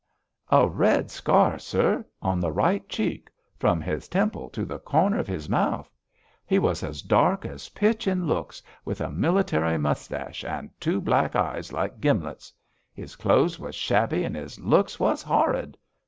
'A red scar, sir, on the right cheek, from his temple to the corner of his mouth. He was as dark as pitch in looks, with a military moustache, and two black eyes like gimblets. His clothes was shabby, and his looks was horrid.